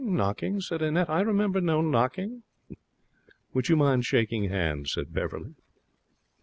'Knocking?' said Annette. 'I remember no knocking.' 'Would you mind shaking hands?' said Beverley.